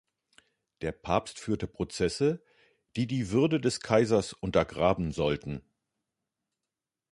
Der Papst führte Prozesse, die die Würde des Kaisers untergraben sollten.